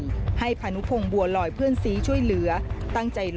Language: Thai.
มีความรู้สึกว่า